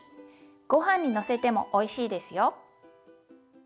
ごはんにのせてもおいしいですよ。